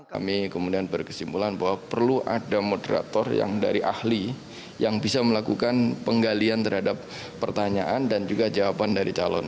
kami kemudian berkesimpulan bahwa perlu ada moderator yang dari ahli yang bisa melakukan penggalian terhadap pertanyaan dan juga jawaban dari calon